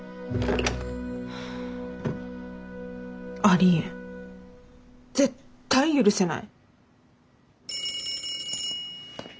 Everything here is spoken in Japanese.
ありえん絶対許せない。